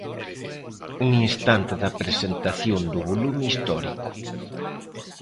Un instante da presentación do volume histórico.